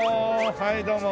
はいどうも。